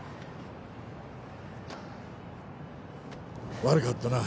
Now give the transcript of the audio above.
悪かったな。